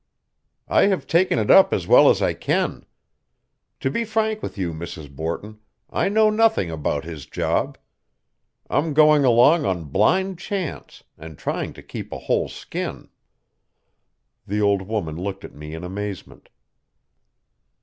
"I have taken it up as well as I can. To be frank with you, Mrs. Borton, I know nothing about his job. I'm going along on blind chance, and trying to keep a whole skin." The old woman looked at me in amazement.